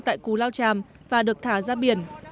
tại cù lao chàm và được thả ra biển